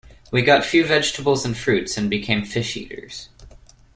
We got few vegetables and fruits, and became fish eaters.